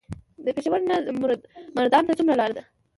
د پېښور نه مردان ته څومره لار ده؟